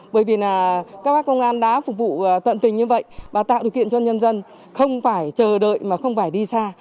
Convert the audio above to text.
bởi vì các bác công an đã phục vụ tận tình như vậy và tạo điều kiện cho nhân dân không phải chờ đợi mà không phải đi xa